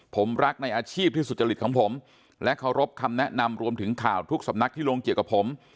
ผมรักในอาชีพที่สุจริตของผมและเคารพคำแนะนำรวมถึงข่าวทุกสำนักที่ลงเกี่ยวกับผม